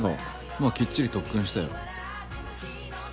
まぁきっちり特訓したよ。